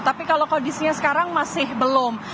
tapi kalau kondisinya sekarang masih belum